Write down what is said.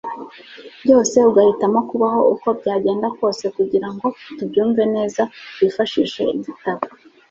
byose, ugahitamo kubaho uko byagenda kose. kugira ngo tubyumve neza, twifashishe igitabo